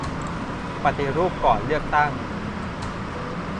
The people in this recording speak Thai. ปฏิรูปก่อนเลือกตั้ง